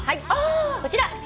こちら！